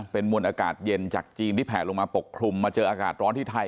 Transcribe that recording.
เป็นมวลอากาศเย็นจากจีนที่แผลลงมาปกคลุมมาเจออากาศร้อนที่ไทย